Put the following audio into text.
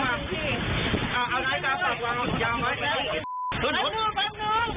ภาพจากกล้องวงจรปิดที่สามารถบันทึกภาพนี้